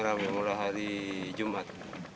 rame mulai hari jumat